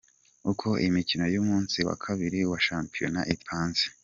Uko imikino y’umunsi wa Kabiri wa shampiyona ipanze:.